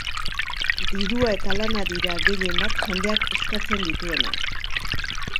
Dirua eta lana dira gehienbat jendeak eskatzen dituenak.